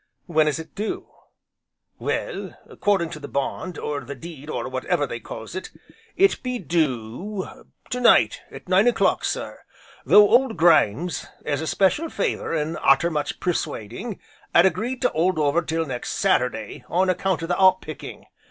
"When is it due?" "Well, according to the bond, or the deed, or whatever they calls it, it be doo tonight, at nine o'clock, sir, though Old Grimes, as a special favour, an' arter much persuading, 'ad agreed to hold over till next Saturday, on account o' the 'op picking.